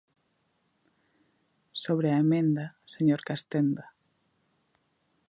Sobre a emenda, señor Castenda.